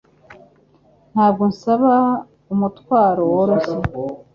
Ntabwo nsaba umutwaro woroshye